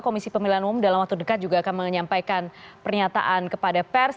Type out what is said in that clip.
komisi pemilihan umum dalam waktu dekat juga akan menyampaikan pernyataan kepada pers